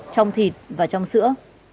trong thịt và trong sữa